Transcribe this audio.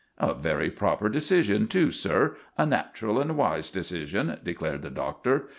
"A very proper decision, too, sir a natural and wise decision," declared the Doctor.